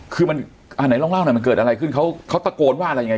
คือมันอ่าไหนลองเล่าหน่อยมันเกิดอะไรขึ้นเขาตะโกนว่าอะไรยังไง